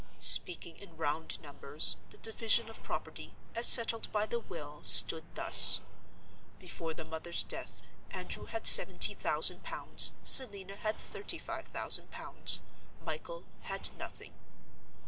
"Speaking in round numbers, the division of property, as settled by the will, stood thus. Before the mother's death, Andrew had seventy thousand pounds; Selina had thirty five thousand pounds; Michael—had nothing.